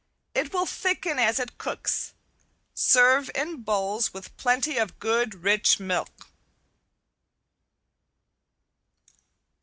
It will thicken as it cooks. Serve in bowls with plenty of good rich milk.